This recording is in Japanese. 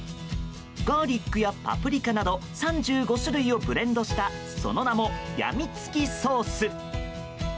ガーリックやパプリカなど３５種類をブレンドしたその名も、ヤミツキソース。